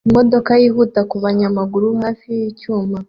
Imodoka yihuta kubanyamaguru hafi yicyuma